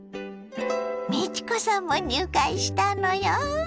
美智子さんも入会したのよ。